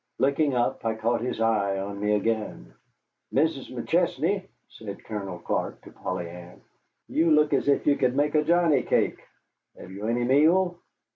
Looking up, I caught his eye on me again. "Mrs. McChesney," said Colonel Clark to Polly Ann, "you look as if you could make johnny cake. Have you any meal?"